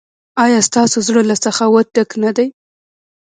ایا ستاسو زړه له سخاوت ډک نه دی؟